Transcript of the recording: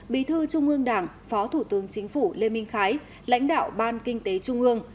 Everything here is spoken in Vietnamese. bí thư trung ương đảng phó thủ tướng chính phủ lê minh khái lãnh đạo ban kinh tế trung ương